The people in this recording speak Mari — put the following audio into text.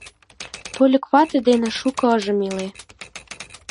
Тольык вате дене шуко ыжым иле.